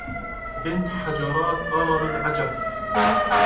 بنت حجرات أرى من عجب